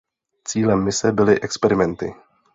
Cílem mise byly experimenty.